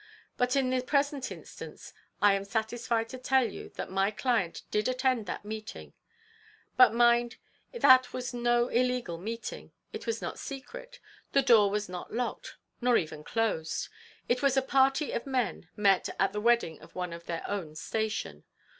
But, in the present instance, I am satisfied to tell you that my client did attend that meeting. But mind, that was no illegal meeting it was not secret; the door was not locked, nor even closed; it was a party of men met at the wedding of one of their own station.